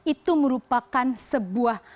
itu merupakan sebuah